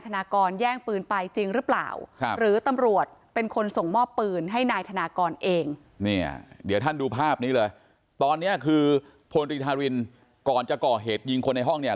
เนี่ยเดี๋ยวท่านดูภาพนี้เลยตอนนี้คือพลฤทธาวินก่อนจะก่อเหตุยิงคนในห้องเนี่ย